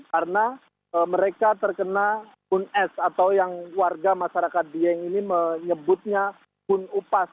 karena mereka terkena embun es atau yang warga masyarakat biang ini menyebutnya embun upas